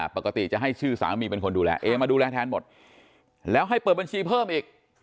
ปกติจะให้ชื่อสามีเป็นคนดูแลเอมาดูแลแทนหมดแล้วให้เปิดบัญชีเพิ่มอีก